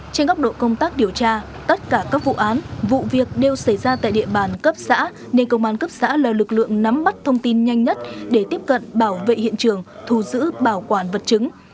trên góc độ công tác điều tra tất cả các vụ án vụ việc đều xảy ra tại địa bàn cấp xã nên công an cấp xã là lực lượng nắm mắt thông tin nhanh nhất để tiếp cận bảo vệ hiện trường thù giữ bảo quản vật chứng